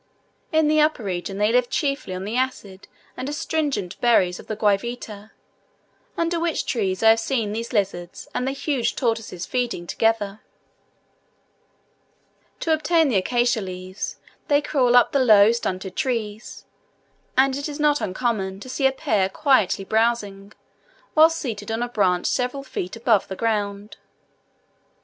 In the upper region they live chiefly on the acid and astringent berries of the guayavita, under which trees I have seen these lizards and the huge tortoises feeding together. To obtain the acacia leaves they crawl up the low stunted trees; and it is not uncommon to see a pair quietly browsing, whilst seated on a branch several feet above the ground.